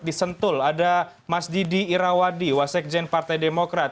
di sentul ada mas didi irawadi wasekjen partai demokrat